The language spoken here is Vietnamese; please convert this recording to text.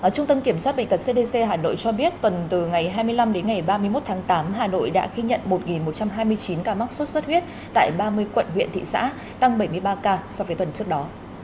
trung tâm kiểm soát bệnh tật cdc hà nội cho biết tuần từ ngày hai mươi năm đến ngày ba mươi một tháng tám hà nội đã ghi nhận một một trăm hai mươi chín ca mắc sốt xuất huyết tại ba mươi quận huyện thị xã tăng bảy mươi ba ca so với tuần trước đó